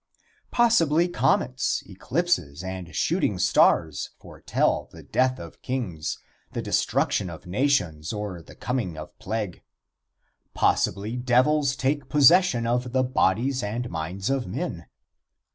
Possibly comets, eclipses and shooting stars foretell the death of kings, the destruction of nations or the coming of plague. Possibly devils take possession of the bodies and minds of men.